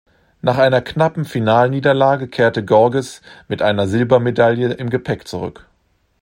Nach einer knappen Finalniederlage kehrte Gorges mit einer Silbermedaille im Gepäck zurück.